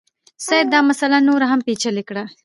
سید دا مسله نوره هم پېچلې کړه.